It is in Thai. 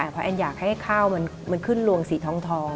เพราะแอนอยากให้ข้าวมันขึ้นลวงสีทอง